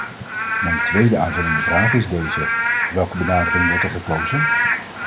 Mijn tweede aanvullende vraag is deze: welke benadering wordt er gekozen?